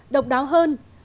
độc đáo hơn